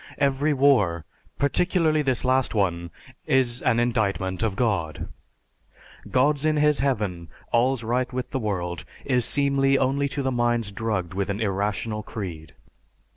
Every war, particularly this last one, is an indictment of God. "God's in His Heaven, all's right with the world," is seemly only to minds drugged with an irrational creed.